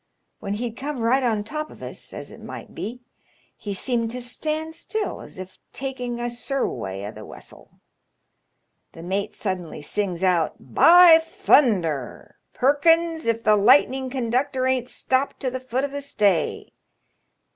When he'd come right on top of us, as it might be, he seemed to stand still, as if taking a surwey o' th' wesseU The mate suddenly sings out, * By thunder ! Perkins, if the lightning conductor ain't stopped to the foot of the stay